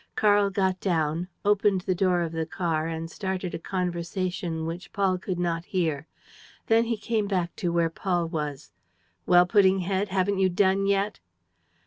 Karl got down, opened the door of the car, and started a conversation which Paul could not hear. Then he came back to where Paul was: "Well, pudding head, haven't you done yet?"